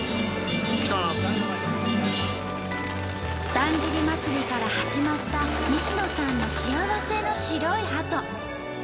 だんじり祭から始まった西野さんの幸せの白いハト。